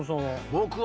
僕は。